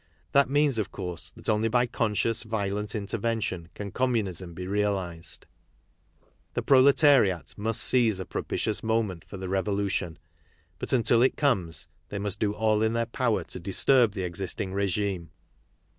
That means, of course, that only by conscious violent intervention can communism be realized. The proletariat must seize a propitious moment for the revolution; but until it 36 KARL MARX comes, they must do all in their power to disturb the existing regime.